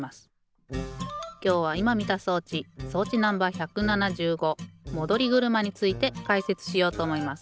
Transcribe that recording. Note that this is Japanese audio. きょうはいまみた装置装置Ｎｏ．１７５戻り車についてかいせつしようとおもいます。